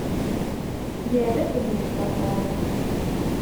Yerra-d nnehta Tom.